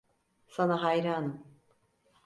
Sana hayranım.